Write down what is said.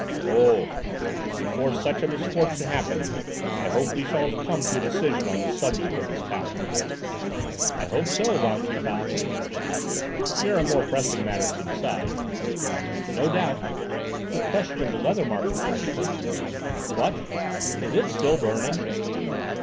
"Oh! before such a misfortune happens I hope we shall have come to a decision on the subject of this tower." "I hope so, Van Tricasse." "There are more pressing matters to decide." "No doubt; the question of the leather market, for instance." "What, is it still burning?"